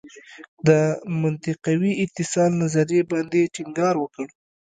د منطقوي اتصال نظریې باندې ټینګار وکړ.